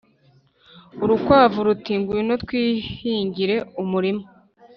Urukwavu ruti « ngwino twihingire umurima